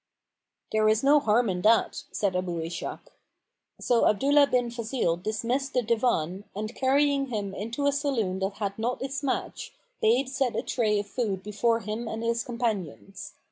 "There is no harm in that," said Abu Ishak. So Abdullah bin Fazil dismissed the Divan and carrying him into a saloon that had not its match, bade set a tray of food before him and his companions.